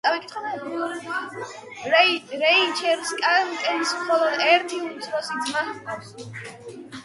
რეიჩელ სკარსტენს მხოლოდ ერთი უმცროსი ძმა ჰყავს.